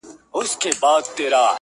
پر هر ځای چي ټولۍ وینی د پوهانو!!